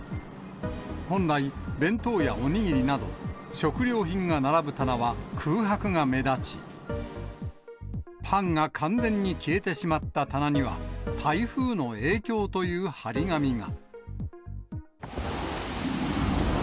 本来、弁当やお握りなど、食料品が並ぶ棚は空白が目立ち、パンが完全に消えてしまった棚には、台風の影響という貼り紙が。